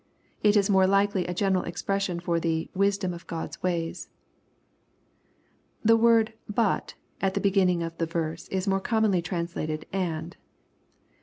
It is more likely a general expression for the " wisdom of God's ways." The word " but," at the beginning of the verse is more commonly translated " and."